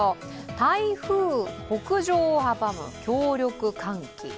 台風北上を阻む強力寒気。